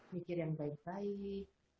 mikir yang baik baik